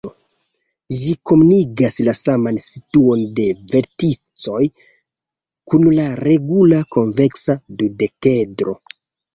Ĝi komunigas la saman situon de verticoj kun la regula konveksa dudekedro.